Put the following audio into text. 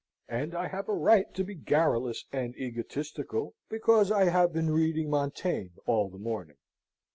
and I have a right to be garrulous and egotistical, because I have been reading Montaigne all the morning.